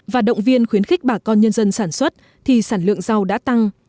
và động viên khuyến khích bà con nhân dân sản xuất thì sản lượng rau đã tăng